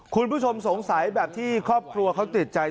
คุณผู้ชมสงสัยแบบที่ครอบครัวเขาติดใจ